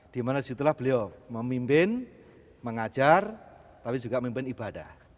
dimana disitulah beliau memimpin mengajar tapi juga memimpin ibadah